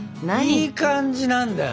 いい感じなんだよな。